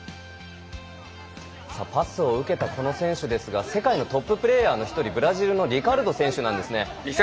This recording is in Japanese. パスを受けたこの選手ですが世界のトッププレーヤーの１人ブラジルのリカルド選手なんですね。